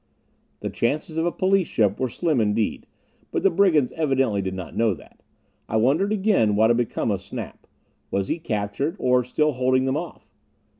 The chances of a police ship were slim indeed, but the brigands evidently did not know that. I wondered again what had become of Snap. Was he captured or still holding them off?